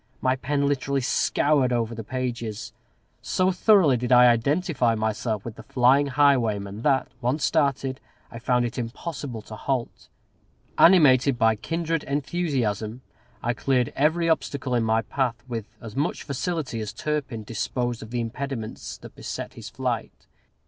My pen literally scoured over the pages. So thoroughly did I identify myself with the flying highwayman, that, once started, I found it impossible to halt. Animated by kindred enthusiasm, I cleared every obstacle in my path with as much facility as Turpin disposed of the impediments that beset his flight.